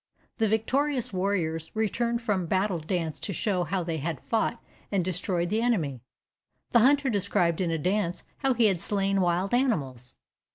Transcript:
The victorious warriors returned from battle danced to show how they had fought and destroyed the enemy. The hunter described in a dance how he had slain wild animals.